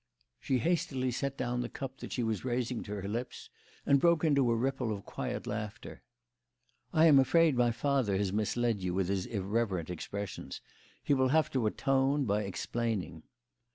She hastily set down the cup that she was raising to her lips and broke into a ripple of quiet laughter. "I am afraid my father has misled you with his irreverent expressions. He will have to atone by explaining."